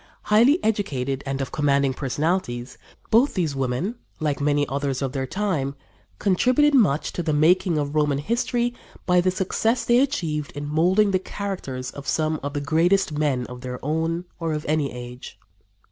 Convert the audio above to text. Highly educated and of commanding personalities, both these women, like many others of their time, contributed much to the making of Roman history by the success they achieved in molding the characters of some of the greatest men of their own or of any age.